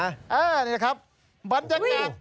นี่แหละครับบรรยากาศ